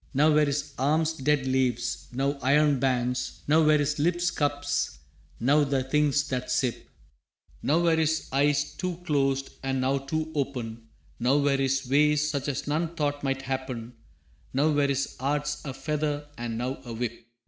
Now were his arms dead leaves, now iron bands, Now were his lips cups, now the things that sip, Now were his eyes too closed, and now too open, Now were his ways such as none thought might happen, Now were his arts a feather and now a whip.